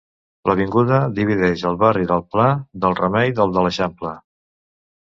L'avinguda divideix el barri del Pla del Remei del de l'Eixample.